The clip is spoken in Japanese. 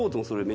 そう！